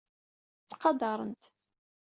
Ttqadaren-t.